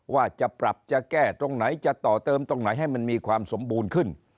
ว่าจะปรับจะแก้ตรงไหนจะต่อเติมตรงไหนให้มันมีความสมบูรณ์ขึ้น